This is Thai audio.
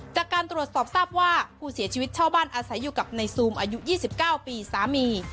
จากการตรวจสอบทราบว่าผู้เสียชีวิตเช่าบ้านอาศัยอยู่กับในซูมอายุ๒๙ปีสามี